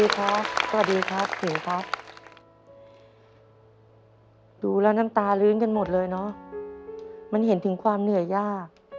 ความเหนื่อยยาก